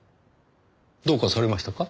どうかされましたか？